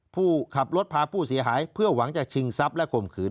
ผู้ขับรถพาผู้เสียหายเพื่อหวังจะชิงทรัพย์และข่มขืน